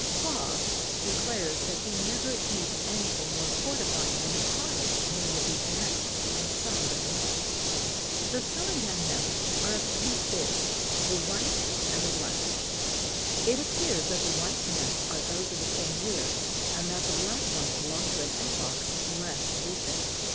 Poivre declares that he never eat anything more fortifying than a pottage made with these nests and some good meat. The salangan nests are of two sorts the white and the black. It appears that the white nests are those of the same year, and that the black ones belong to an epoch less recent.